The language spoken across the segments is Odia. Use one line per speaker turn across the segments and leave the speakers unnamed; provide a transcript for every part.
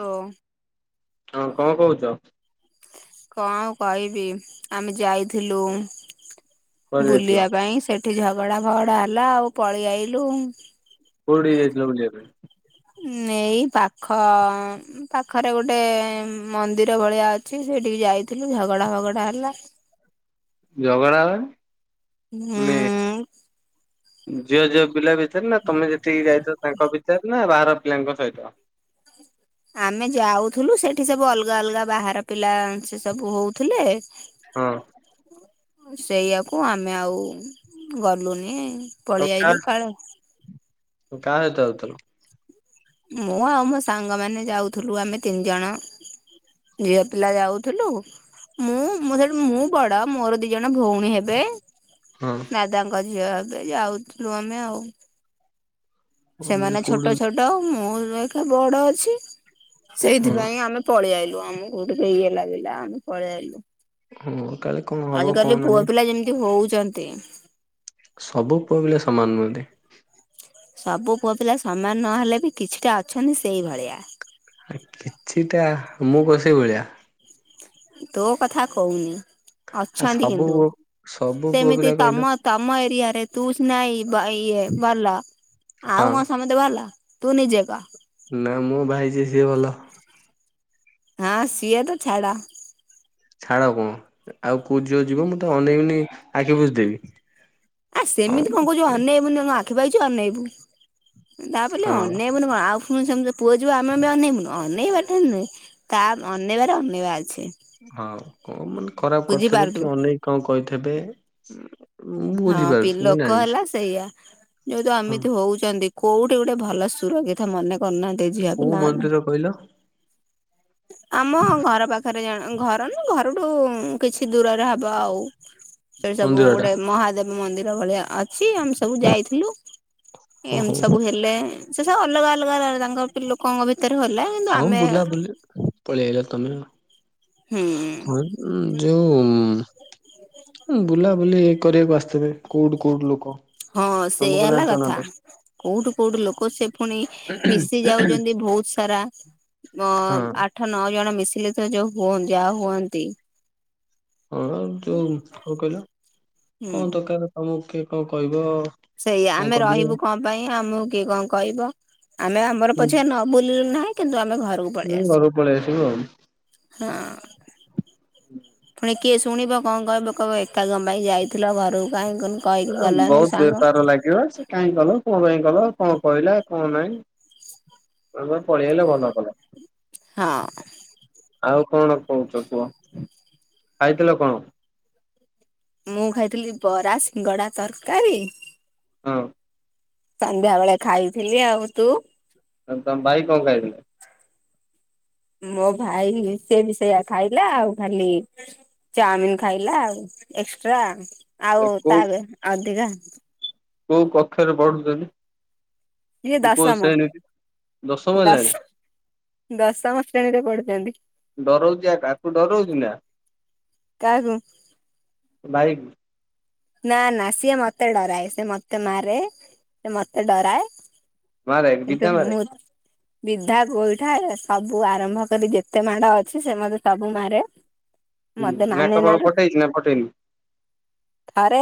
ଓ
ହଁ କଣ କହୁଛ?
କଣ ଆଉ କହିବି ଆମେ ଯାଇଥିଲୁ
କୁଆଡେ ଯାଇଥିଲ
ବୁଲିବା ପାଇଁ ସେ ଠି ଝଗଡା ଫଗଡା ହେଲା ଆଉ ପଳେଇ ଆଇଲୁ।
କୋଉଠିକି ଯାଇଥିଲ ବୁଲିବ ପାଇଁ?
ଏଇ ପାଖ ପାଖରେ ଗୋଟେ ମନ୍ଦିର ଭଳିଆ ଅଛି ସେଠିଇକି ଯାଇଥିଲୁ ଝଗଡା ଫଗଡା ହେଲା
ଝଗଡ଼ା ମାନେ
ହୁଁ
ମାନେ ଯୋଉ ଯୋଉ ପିଲା ବି ସାଥିରେ ନା ତମେ ଯେତିକି ଯାଇଛ ତାଙ୍କ ଭିତରେ ନା ବାହାର ପିଲାଙ୍କ ସହିତ?
ଆମେ ଯାଉଥୁଲୁ ସେଠି ସବୁ ଅଲଗା ଅଲଗା ବାହାର ପିଲା ସେ ସବୁ ହୋଉଥିଲେ
ହଁଁ।
ସେୟାକୁ ଆମେ ଆଉ ଗଲୁନି
ଆଉ
ପଳେଇ
କ
ଆଇଲୁ କାଳେ
କାହା ସହିତ ଯାଉଥିଲା?
ମୁଁ ଆଉ ମୋ ସାଙ୍ଗ ମାନେ ଯାଉଥୁଲୁ ଆମେ ତିନ୍ ଜଣ ଝିଅ ପିଲା ଯାଉଥୁଲୁ ମୁଁ ମୋ ସେଠୁ ମୁଁ ବଡ ମୋର ଦି ଜଣ ଭଉଣୀ ହେବେ
ହଁ
ଦାଦାଙ୍କ ଝିଅ ହେବେ ଯାଉଥୁଲୁ ଆମେ ଆଉ
ମାନେ
ସେମାନେ
କୋଉଠି
ଛୋଟ ଛୋଟ ମୁଁ ଏକା ବଡ ଅଛି
ହଁ
ସେଇଥିପାଇଁ ଆମେ ପଳି ଆଇଲୁ ଆମକୁ ଟିକେ ଇଏ ଲାଗିଲା ଆମେ ପଳେଇ ଆଇଲୁ।
ହଁ କାଳେ କଣ ହବ କଣ ନାହିଁ?
କି ହୋଉଚନ୍ତି।
ସବୁ ପୁଅ ପିଲା ସମାନ୍ ନୁହନ୍ତି
ସବୁ ପୁଅ ପିଲା ସମାନ୍ ନହେଲେ ବି କିଛିଟା ଅଛନ୍ତି ସେଇଭଳିଆ
କିଛିଟା ମୁଁ କଣ ସେଇ ଭଳିଆ?
ତୋ କଥା କହୁନି
ଆଉ
ଅଛନ୍ତି
ସବୁ
କିନ୍ତୁ
ପୁଅ ସବୁ ପୁଅ
ସେମିତି
ପିଲା କହିଲ
ତମ ତମ ଏରିଆରେ ତୁ ସିନା ଇ ଇଏ ଭଲ
ହଁ
ଆଉ କଣ ସମସ୍ତେ ଭଲ? ତୁ ନିଜେ କହ?
ନା ମୁଁ ଭାଇ ଯିଏ ସିଏ ଭଲ।
ହଁ ସିଏତ ଛାଡ଼
ଛାଡ କଣ ଆଉ କୋଉ ଝିଅ ଯିବ ମୁଁ ତକୁ ଅନେଇବିନି ଆଖି ମୁଜି ଦେବି
ଆ ସେମିତି କଁ କୋହୁଚି ଅନେଇବୁନି ଆଖି ପାଇଚୁ ଅନେଇବୁ ତାବୋଲି
ହଁ
ଅନେଇ ବୁନୁ କଣ ଆଉ ପୁଣି ସେିମିତି ପୁଅ ଯିବ ଆମେବି ଅନେଇବୁନୁ ଅନେଇ ବାଟା ନାଇଁ ତା ଅନେବାରେ ଅନେଇବା ଅଛି।
ହଁ କଣ ମାନେ ଖରାପ କରିଥିବେ
ବୁଝିପାରୁଥିବୁ
କି ଅନେେଇକ କଣ କହିଥିବେ? ମୁଁ
ହଁ ପି
ବୁଝିପାରୁଛି ମୁଁ
ଲୋକ
ଜାଣିଛି
ହେଲା ସେଇଆ ଯୋଉ ତ
ହଁ
ଏମିତି ହୋଉଚନ୍ତି କୋଉଠି ଗୋଟେ ଭଲ ସୁରକ୍ଷିତ ମନେ କରୁନାହାନ୍ତି
କୋଉ
ଝିିଅପିଲା ମାନେ
ମନ୍ଦିର କହିଲ
[inaudible] ଆମ ଘର ପାଖରେ ଜଣ ଘର ଘର ନୁ ଘରଠୁ କିଛି ଦୂରରେ ହବ ଆଉ ସେଇଠି ସବୁ
ମନ୍ଦିର ଟା
ଗୋଟେ ମହାଦେବ ମନ୍ଦିର ଭଳିଆ ଅ ଛି ଆମେ ସବୁ ଯାଇଥିଲୁ
ଓ ହଉ।
ଏମିତି ସବୁ ହେଲେ ସେ ସବୁ ଅଲଗା ଅଲଗା ତାଙ୍କ ଲୋକଙ୍କ ଭିତରେ ଗଲା କିନ୍ତୁ ଆମେ
ପଳିଆଇଲ ତମେ
ହୁଁ
ହ ଯୋଉ ଉଁ ବୁଲା ବୁଲି କରିବାକୁ ଆସିଥିବେ କୋଉଠୁ କୋଉଠୁ ଲୋକ?
ହଁ
ତମକୁ
ସେୟା ହେଲା
ଜାଣିଛ ନା ତ
କଥା। କୋଉଠୁ କୋଉଠୁ ଲୋକ ସେ ପୁଣି ମିଶି ଯାଉଚନ୍ତି ବୋହୁତ ସାରା ଅ ଆଠ ନଅ ଜଣ ମିଶିଲେ ତ ଯୋଉ ହୁଅ ଯାହା ହୁଅନ୍ତି
ହଁ ଆଉ ଯୋଉ କଣ କହିଲ
ହୁଁ
କଣ ଦର୍କାର୍ ତମକୁ କିଏ କଣ କହିବ
ସେୟା
କଣ
ଆମେ
କରିବ
ରହିବୁ କଁ ପାଇଁ ଆମକୁ କିଏ କଣ କହିବ ଆମେ ଆମର
ହୁଁ।
ପଛେ ନ ବୁଲିଲୁ ନାହିଁ କିନ୍ତୁ ଆମେ ଘରକୁ ପଳି
ହୁଁ, ଘରକୁ ପଳେଇ ଆସିବୁ ଆଉ
ଆସୁ ହଁ ପୁଣି କିଏ ଶୁଣିବ କଣ କହିବ କହିବ ଏକା କଁ ପାଇଁ ଯାଇଥିଲ ଘରକୁ କାହିଁ କୁନୁ
ଏଁ ବହୁତ୍ ବେପାର ଲାଗିବ ସେ କାହିଁ କଲ? କଣ ପାଇଁ କଲ କଣ କହିଲା କଣ ନାଇଁ ତମେ ପଳେଇ ଆଇଲ ଭଲ କଲ?
ହଁ।
ଆଉ କଣ କହୁଛ କୁହ ଖାଇଥିଲ କଣ?
ମୁଁ ଖାଇଥିଲି ବରା ସିଙ୍ଗଡା ତରକାରୀ
ହଁ।
ସନ୍ଧ୍ୟାବେଳେ ଖାଇଥିଲି ଆଉ। ତୁ?
ଆଉ ତମ ଭାଇ କଣ ଖାଇ ଥିଲେ?
ମୋ ଭାଇ ସେ ବି ସେଇଆ ଖାଇଲା ଆଉ ଖାଲି ଚାଉଁମିିନ ଖାଇଲା ଆଉ ଏକ୍ସଟ୍ରା ଆଉ ତାଲ ଅଧିକା
କୋଉଁ କକ୍ଷରେ ପଢୁଛନ୍ତି?
ଇଏ
ତୋର କୋଉଁ
ଦଶମ
ଶ୍ରେଣୀ ଟି ଦଶମ ହେଲାଣି।
ଦଶ ଦଶମ ଶ୍ରେଣୀରେ ପଢୁଛନ୍ତି
ଡରଉଛି ଆକା ତାକୁ ଡରଉଛି ନାଁ।
କାହାକୁ?
ତୋ ଭାଇକୁ।
ନାଁ ନାଁ ସିଏ ମୋତେ ଡରାଏ ସେ ମୋତେ ମାରେ ସେ ମୋତେ ଡରାଏ।
ମାରେ
କିନ୍ତୁ
ବିଧା ମାରେ।
ମୁତ ବିଧା ଗୋଇଁଠା ସବୁ ଆରମ୍ଭ କରି ଯେତେ ମାଡ ଅଛି ସେ ମୋତେ ସବୁ ମାରେ।
ହୁଁ
ମତେ ମାନେ
ନାକ
ନା
ତଳ ଫଟେଇଛି ନାଁ ଫଟେଇନି?
ଥରେ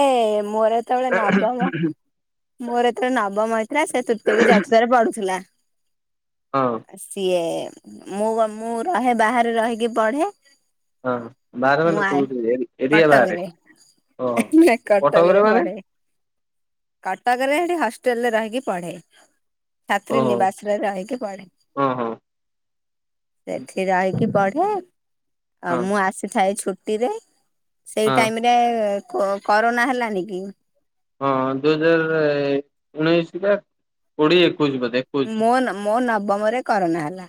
ମୋର ଯେତେବେଳେ ନବମ ମୋର ଯେତେବେଳେ ନବମ ହେଇଥିଲା ସେ ତୃତୀୟ କି ଚତୃର୍ଥ ରେ ପଢୁଥିଲା।
ହଁ।
ସିଏ ମୁଁ ଗ ମୁଁ ରହେ ବାହାରେ ରହିକି ପଢେ।
ହଁ ହଁ ବାହାରେ
ମୁଁ
ମାନେ
ଆ
କଉଁଠି ଏରି ଏରିଆ ବାହାରେ। ଓହୋ
ହେଁ ନାଁ କଟକ
କଟକରେ
ରେ
ମାନେ
ପଢେ। କଟକରେ ସେଠି ହଷ୍ଟେଲ ରେ ରହିକି ପଢେ ଛାତ୍ରୀ
ଓହୋ
ନିବାସରେ। ସେ ରହିକି ପଢେ।
ହଁ ହଁ
ସେଠି ରହିକି ପଢେ ଆ
ହଁ
ମୁଁ ଆସିଥାଏ ଛୁଟିରେ ସେଇ
ହଁ
ଟାଇମ ରେ କୋ କରୋନା ହେଲାନି କି?
ହଁ ଦୁଇ ହଜାର ଉଣେଇଶି ବା କୋଡିଏ ଏକୋଇଶ ବୋଧେ। ଏକୋଇଶି
ମୋନ ମୋ ନବମରେ କରୋନା ହେଲା।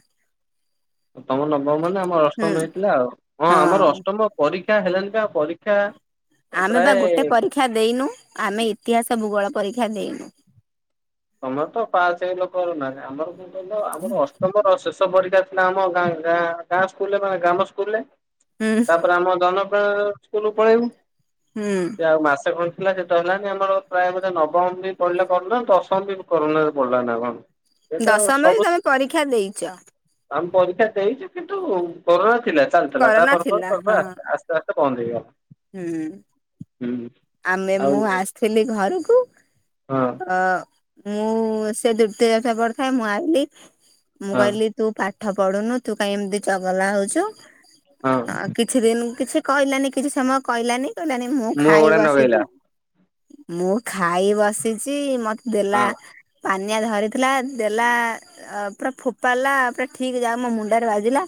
ତମର ନବମ ହେଲେ ଆମର
ହୁଁ
ଅଷ୍ଟମ ହେଇଥିଲା ଆଉ ହଁ ଆମର ଅଷ୍ଟମ ପରୀକ୍ଷା ହେଲେଣିି ବା ପରୀକ୍ଷା
ଆମେ ବା
ପ୍ରାୟ
ଗୋଟେ ପରୀକ୍ଷା ଦେଇନୁ ଆମେ ଇତିହାସ ଭୂଗୋଳ ପରୀକ୍ଷା ଦେଇନୁ।
ତମର ତ ପାସ ହେଲ କୋରନରେ ଆମର କଣ କହିଲ ଆମର ଅଷ୍ଟମର ଶେଷ ପରୀକ୍ଷା ଥିଲା ଆମାଁ ଗାଁ ଗାଁ ସ୍କୁଲରେ ମାନେ ଗ୍ରାମ ସ୍କୁଲରେ
ହୁଁ
ତାପରେ ଆମ ଜନପଣ ସ୍କୁଲୁ କୁ ପଳେଇବୁ।
ହୁଁ।
ଯାହୁ ମାସେ ଖଣ୍ଡେ ଥିଲା ସେତ ହେଲାନି ଆମର ପ୍ରାୟ ବୋଧେ ନବମ ରୁ ନେଇ ପଳେଇଲେ ନାଁ କଣ ଦଶ ହଁ ଦିନି କରୋନାରେ ପଳେଇଲା ନାଁ କଣ? ସେ ତ
ଦଶମ ବି
ସବୁ
ତମେ ପରୀକ୍ଷା ଦେଇଛ।
ଆମେ ପରୀକ୍ଷା ଦେଇଛୁ କିନ୍ତୁ କରୋନା ଥିଲା ଚାଲିଥିଲା ତା
କରୋନା
ପରେ ପରେ
ଥିଲା
ପରେ
ହଁ
ପରେ ଆସିଲା ଆସିଲା। ଚାଷ ବନ୍ଦ ହେଇଗଲା।
ହୁଁ।
ହୁଁ
ଆମେ
ଆଉ
ମୁଁ ଆସିଥିଲି ଘରକୁ।
ହଁ।
ଅ ମୁଁ ସେ ଦୃତୀୟ ଓସା କରିଥାଏ ମୁଁ ଆଇଲି ମୁଁ
ହଁ
କହିଲି ତୁ ପାଠ ପଢୁନୁ ତୁ କାହିଁ ଏମିତି ଚଗଲା ହଉଛୁ।
ହଁ।
ଆଉ କିଛି ଦିନ କିଛି କହିଲାନି କିଛି ସମୟ କହିଲାନି କହିଲାନି ମୁଁ
ମୁହଁ
ଖାଇ
ଗୁଡା ନଗେଇଲା
ବସିଚି ମୁଁ ଖାଇ ବସିଛି ମତେ
ହଁ
ଦେଲା ପାନିଆ ଧରିଥିଲା ଦେଲା ପୁରା ଫୋପାଡିଲା ପୁରା ଠିକ୍ ଯାକ ମୋ ମୁଣ୍ଡରେ ବାଜିଲା।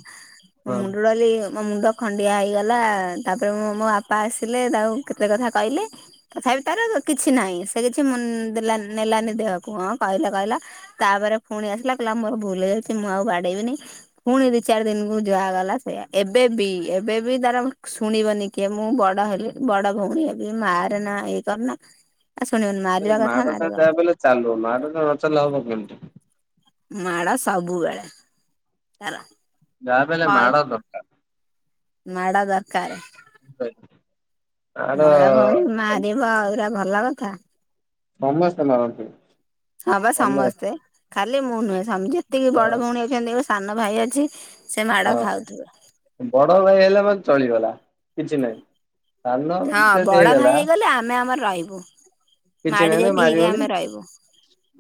ମୋ
ହଁ।
ମୁଣ୍ଡ ଡାଲି ମୋ ମୁଣ୍ଡ ଖଣ୍ଡିଆ ହେଇଗଲା ତାପରେ ମୁ ମୋ ବାପା ଆସିଲେ ତାକୁ କେତେ କଥା କହିଲେ। ତଥାପି ତାର କିଛି ନାହିଁ ସେ କିଛି ଦେଲାନି ନେଲାନି ଦେହକୁ ହଁ କହିଲା କହିଲା। ତାପରେ ପୁଣି ଆସିଲା କହିଲା ମୋର ଭୁଲ ହେଇଯାଉଛି ମୁଁ ଆଉ ବାଡେଇବିନି। ପୁଣି ଦି ଚାରି ଦିନକୁ ଯହାଗଲା ସେଇଆ ଏବେ ବିି ଏବେ ବିି ତାର ଶୁଣିବନି କି। ମୁଁ ବଡ ହେଲି ବଡ ଭଉଣୀ ହେବି ମାରେନା ଇଏ କରନା ଆ ଶୁଣିବନି ମାରିବା
ମାଡ
କଥା
ଟା
ମାରିବ।
ଯାହା ବଲେ ଚାଲୁ ମାଡ ନ ଚାଲିଲେ ହବ କେମିତି।
ମାଡ଼ ସବୁବେଳେ ତାର।
ଯାହାବି ହେଲେ ମାଡ଼ ସଟ।
ମାଡ ଦରକାର।
[unintelligible]
ବଡ ଭଉଣୀ ମାରିବ ଏଗୁରା ଭଲ କଥା।
ସମସ୍ତ ମାରନ୍ତି।
ହବା ସମସ୍ତେ ଖାଲି ମୁଁ ନୁହେଁ ଯେତିକି ବଡ ଭଉଣୀ ଅଛନ୍ତୀ ସାନ ଭାଇ ଅଛି ସେ ମାଡ଼
ହଁ
ଖାଉଥିବେ।
ବଡ ଭାଇ ହେଲେ ମତେ ଚଳିଗଲା କିଛି ନାହିଁ ସାନ
ହଁ
ଭାଇ
ବଡ
ଯଦି
ଭାଇ
ହେଇଗଲା।
ହେଇଗଲେ ଆମେ ଆମର ରହିବୁ।
କିଛି
ମାଡି
ନାହିଁ ତାକୁ
ଯାକି ହେଇକି
ମାରିବନି।
ଆମେ ରହିବୁ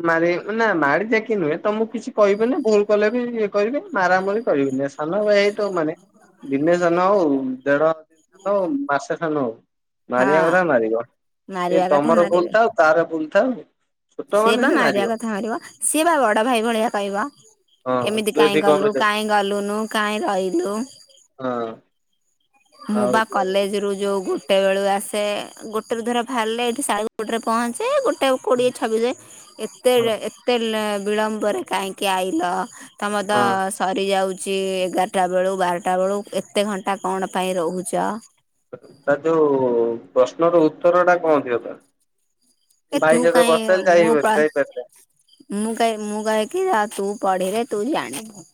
ମାର ନା ମାଡି ଯାଇକି ନୁହେଁ ତମୁକୁ କିଛି କହିବେନି ଭୁଲ କଲେ ବି ଇଏ କରିବି ମରାମରି କରିବିନି। ସାନ ଭାଇ ହେଇଥିବ ମାନେ ଦିନେ ସାନ ହଉ ଦେଢ ଦିନ ଶାନ ହଉ ମାସେ ଶାନ ହଉ।
ହଁ
ମାରିବା କଥା ମାରିକ ଏ
ମାରିବା କଥା
ତମର ଭୁଲ
ମାରିବେ
ଥାଉ ତାର ଭୁଲ ଥାଉ। ଛୋଟ
ସିଏ
ମାନେ
ବା
ସେ
ମାରିବା କଥା ମାରିବ ସିଏ ବା ବଡ ଭାଇ ଭଳିଆ କହିବ।
ହଁ
ଏମିତି
ତୁ
କାହିଁ
ଏଠି କଣ
କଲୁ
ପାଇଁ ଯାଇ
କାହିଁ ଗଲୁନୁ କାହିଁ ରହିଲୁ।
ହଁ
ମୁଁ
ଆଉ
ବା
ଯୋଉ
କଲେଜ ରୁ ଯୋଉ ଗୋ ଗୋଟେବେଳୁ ଆସେ ଗୋଟେରୁ ଧର ବାହାରିଲେ ଏଇଠି ଶାଡେ ଗୋଟେରେ ପହଞ୍ଚେ ଗୋଟେ ଛବି ଯେ ଏତେ
ହଁ
ଏତେ ବିଳମ୍ବରେ କାହିଁକି ଆଇଲ। ତମର ତ
ହଁ
ସରିଯାଉଛି ଏଗାରଟା ବେଳୁ ବାରଟା ବେଳୁ ଏତେ ଘଣ୍ଟା କଣ ପାଇଁ ରହୁଛ।
ତା ଯୋଉ ପ୍ରଶ୍ନର ଉତ୍ତର ଟା କଣ ଦିଅ ତମେ।
ଏ ତୁ
ଭାଇ ଜକ
କାହିଁ
ବସିଲେ ଜାଇ
ମୁଁ
ଯାଇପାରିଲେ ନି।
ମୁଁ କହେ ମୁଁ କହେ କି ତୁ ପଢିବେ ତୁ ଜାଣିବୁ।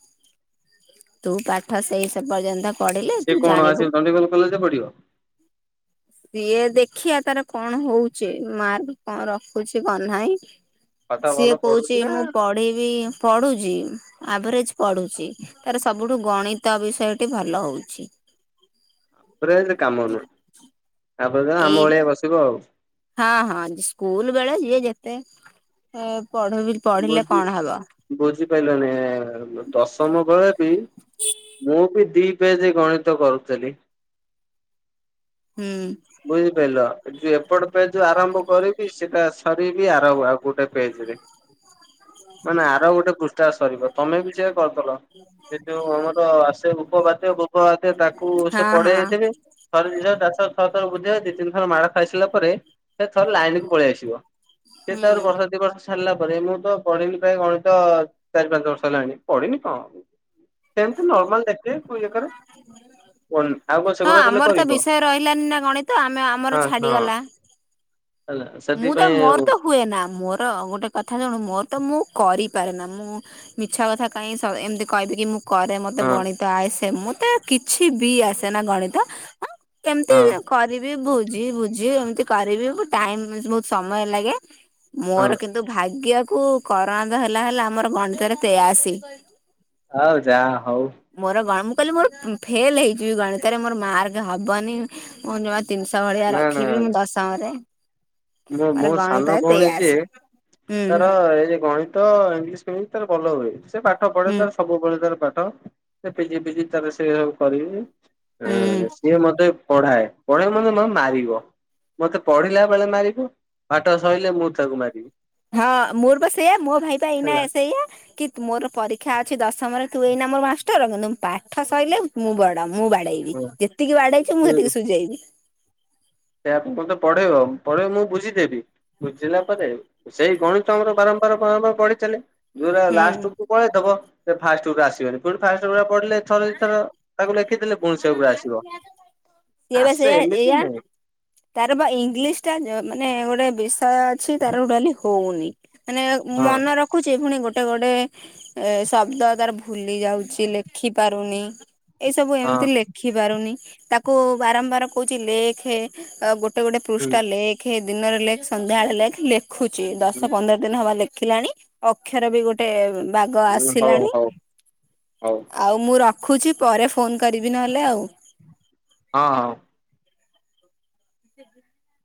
ତୁ ପାଠ ସେଇ ସେ ପର୍ଯ୍ୟନ୍ତ ପଢିଲେ
ସିଏ
ତୁ
କଣ
ଜାଣିବୁ
ଆସିବ ଚଣ୍ଡିଖୋଲ କଲେଜରେ ପଢିବ।
ସିଏ ଦେଖିବା ତାର କଣ ହଉଚି ମାର୍କ କଣ ରଖୁଛି କଣ ନାହିଁ।
ପାଠ ଭଲ
ସିଏ କହୁଛି
ପଢୁଛି ନା
ମୁଁ ପଢିବି ପଢ଼ୁଛି ଆଭରେଜ୍ ପଢ଼ୁଛି ତାର ସବୁଠୁ ଗଣିତ ବିଷୟଟି ଭଲ ହଉଛି।
[unintelligible] ତା କାମ ନୁହ ତାପରେ ଯା ଆମ
ଏଇ
ଭଳିଆ ବସିବ ଆଉ।
ହଁ ହଁ ସ୍କୁଲ ବେଳେ ଯିଏ ଯେତେ ପଢ ପଢିଲେ କଣ ହବ।
ବୁଝିପାଇଲନି ଏ ଦଶମ ବେଳେ ବି। ମୁଁ ବି ଦି ପେଜ ଗଣିତ କରୁଥିଲି।
ହୁଁ।
ବୁଝିପାଇଲ ଯୋଉ ଏପଟ ପାଇଁ ଯୋଉ ଆରମ୍ଭ କରିବି ସେଇଟା ବି ଆରଭ ଆଉ ଗୋଟେ ପେଜ ରେ ମାନେ ଆର ଗୋଟେ ପୃଷ୍ଠା ସରିବ ତମେ ବି ସେଇଆ କରିଦେଲ। ସେ ଯୋଉ ଆମର ଆସେ ଉପବାଦ୍ୟ ଫୁପବାଦ୍ୟ ତାକୁ ସେ
ହଁ
ପଢେଇ
ହଁ
ଯାଇଥିବେ। ଥରେ ଦି ଥର ଚାରି ଥର ଛଅ ଥର ବୁଝେଇବେ ଦି ତିନି ଥର ମାଡ଼ ଖାଇସିଲା ପରେ। ସେ ଥରେ ଲାଇନ କୁ ପଳେଇ ଆସିବ ସେ
ହୁଁ।
ତାପରେ ବର୍ଷେ ଦି ବର୍ଷ। ସାରିଲା ପରେ ମୁଁ ତ ପଢିନି ପ୍ରାୟ ଗଣିତ ଚାରି ପାଞ୍ଚ ବର୍ଷ ହେଲାଣି ପଢିନି କଣ। ସେମିତି ନର୍ମାଲ ଦେଖିବେ କୋଉ ଜାଗାରେ ଆଉ କଣ
ହଁ
ସେଗୁଡା ଦେଲେ
ଆମର ତ
କରିବି କଣ।
ବିଷୟ ରହିଲାନି ନା ଗଣିତ ଆମେ ଆମର ଛାଡ଼ିଗଲା।
ହେଲା
ମୁଁ ତ
ସେଥିପାଇଁ
ମୋର
ଆଉ
ତ ହୁଏ ନା ମୋର ଗୋଟେ କଥା ଶୁଣ ମୋର ତ ମୁଁ କରିପାରେ ନା ମୁଁ। ମିଛା କଥା କାହିଁକି ଏମିତି କହିବି କି ମୁଁ। କରେ ମତେ ଗଣିତ ଆଇସେ ମୋତେ କିଛି ବି ଆସେ ନା ଗଣିତ। କେମିତି
ହଁ ହଁ
କରିବି ବୁଝି ବୁଝି ଏମିତି କରିବି ଟାଇମ ବହୁତ ସମୟ ଲାଗେ
ହଁ
ମୋର କିନ୍ତୁ ଭାଗ୍ୟକୁ। କରୋନା ହେଲା ହେଲା ଆମର ଗଣିତରେ ତେୟାଅଶୀ।
ହଉ ଯାହା ହଉ।
ମୋର ଗଣି ମୁଁ କହିଲି ମୋର ଫେଲ ହେଇଯିବି ଗଣିତରେ ମୋର ମାର୍କ ହବନି ମୋର ଜମା ତିନିଶହ ଭଳିଆ
ନା
ରଖିବି ମୁଁ ଦଶମରେ।
ମୁଁ
ମୋର
ମୋ ସାନ
ଗଣିତରେ
ଭଉଣୀ
ତେୟାଅଶୀ
ଯିଏ
ହୁଁ
ତାର ଏଇ ଗଣିତ। ତ ଇଂଲିଶ ଫିଂଲିଶ ତାର ଭଲ ହୁଏ ସେ ପାଠ ପଢେ
ହୁଁ।
ତାର ସବୁବେଳେ ତାର ପାଠ ସେ ପିଜି ଫିଜି ତାର ସେ ସବୁ କରି। ହୁଁ ସିଏ ମତେ ପଢାଏ। ପଢେଇବ ମେ ମେ ମାରିବ ମତେ ପଢିଲା ବେଳେ ମାରିବ। ପାଠ ସଇଲେ ମୁଁ ତାକୁ ମାରିବି।
ହଁ ମୋର ବା ସେଇୟା ମୋ ଭାଇ ପା ଏଇନା
ହେଲା
ସେଇଆ କି? ମୋର ପରୀକ୍ଷା ଅଛି ଦଶମରେ ତୁ ଏଇନା ମୋର ମାଷ୍ଟର କିନ୍ତୁ ପାଠ ସଇଲେ। ମୁଁ ବଡ ମୁଁ ବାଡେଇବି ଯେତିକି ବାଡେଇଛି ମୁଁ ସେତିକି ସୁଝେଇବି।
ସେୟା ମୋତେ ପଢେଇବ ପଢେଇବ ମୁଁ ବୁଝିଦେବି। ବୁଝିଲା ପରେ ସେଇ ଗଣିତ ମୋର ବାରମ୍ବାର ବାରମ୍ବାର ପଢି ଚାଲେ। ଯୋଉଟା
ହୁଁ
ଲାଷ୍ଟ କୁ ପଳେଇଥବ ଫାଷ୍ଟ ରୁ ଆସିବନି ପୁଣି ଫାଷ୍ଟ ରୁ ପୁରା ପଢିଲେ ଥରେ ଦୁଇ ଥର ତାକୁ ଲେଖିଦେଲେ ପୁଣି ସେଗୁଡା ଆସିବ
ସିଏ ବା
ଆସେ
ସେଇଆ
ଏମିତି
ଏଇଆ
ନୁହେଁ।
ତାର ବା ଇଂଲିଶ ଟା ମାନେ ଗୋଟେ ବିଷୟ ଅଛି ତାର ଗୋଟେ ଟୋଟାଲି ହଉନି। ମାନେ
ହଁ
ମନେ ର ରଖୁଛି ପୁଣି ଗୋଟେ ଗୋଟେ ଶବ୍ଦ ତାର ଭୁଲି ଯାଉଛି ଲେଖି ପାରୁନି ଏଇସବୁ
ହଁ।
ଏମିତି ଲେ -ଖିପାରୁନି ତାକୁ ବାରମ୍ବାର କହୁଛି ଲେଖେ ଗୋଟେ ଗୋଟେ
ହୁଁ
ପୃଷ୍ଠା ଲେ ଲେଖ ଦିନରେ ଲେଖ ସନ୍ଧ୍ୟାବେଳେ ଲେଖ ଲେଖୁଛି ଦଶ
ହୁଁ
ପନ୍ଦର ଦିନ ହବ ଲେଖିଲାଣି। ଅକ୍ଷର ବି ଗୋଟେ ବାଗ ଆସିଲାଣି।
ହ
ଆଉ ମୁଁ ରଖୁଛି ପରେ ଫୋନ କରିବି ନହେଲେ ଆଉ।
ହଁ ହଁ।
ସେ [unintelligible]